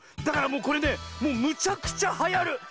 だからもうこれねもうむちゃくちゃはやる！